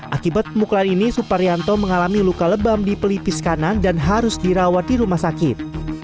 akibat pemukulan ini suparyanto mengalami luka lebam di pelipis kanan dan harus dirawat di rumah sakit